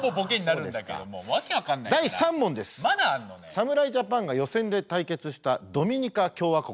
侍ジャパンが予選で対決したドミニカ共和国。